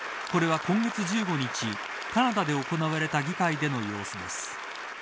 これは今月１５日カナダで行われた議会での様子です。